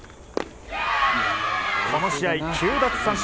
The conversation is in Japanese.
この試合、９奪三振。